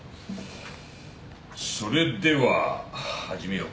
それでは始めようか。